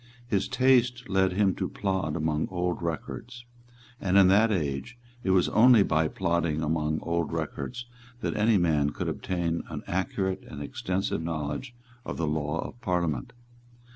His taste led him to plod among old records; and in that age it was only by plodding among old records that any man could obtain an accurate and extensive knowledge of the law of Parliament.